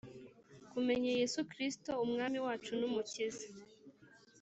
kumenya Yesu Kristo Umwami wacu n Umukiza